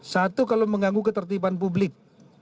satu kalau mengganggu ketertiban publik